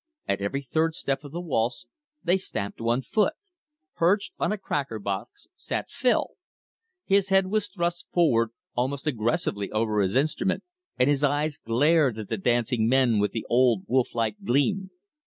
At every third step of the waltz they stamped one foot. Perched on a cracker box sat Phil. His head was thrust forward almost aggressively over his instrument, and his eyes glared at the dancing men with the old wolf like gleam.